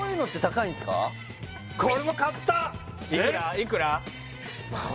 いくら？